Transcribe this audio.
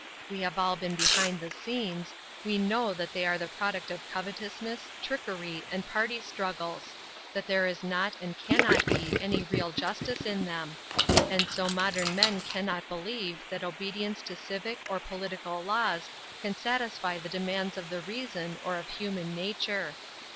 We have all been behind the scenes, we know that they are the product of covetousness, trickery, and party struggles; that there is not and cannot be any real justice in them. And so modern men cannot believe that obedience to civic or political laws can satisfy the demands of the reason or of human nature.